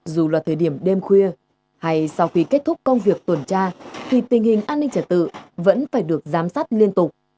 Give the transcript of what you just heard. dù là thời điểm đêm khuya hay sau khi kết thúc công việc tuần tra thì tình hình an ninh trả tự vẫn phải được giám sát liên tục